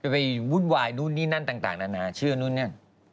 ไปวุ่นวายนู่นนี่นั่นต่างนานาเชื่อนู่นนั่น